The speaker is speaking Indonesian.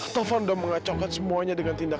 taufan udah mengacaukan semua ini